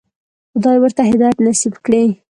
خدای ورته هدایت نصیب کړی.